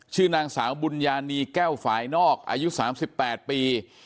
ชื่อนางสาวบุญญานีแก้วฝ่ายนอกอายุ๓๘ปี